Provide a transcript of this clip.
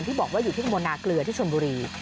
ที่บอกว่าอยู่ที่ตมนาเกลือที่ชนบุรี